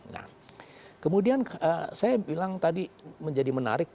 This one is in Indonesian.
nah kemudian saya bilang tadi menjadi menarik